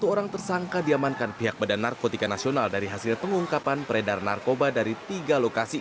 dua puluh satu orang tersangka diamankan pihak bnn dari hasil pengungkapan peredaran narkoba dari tiga lokasi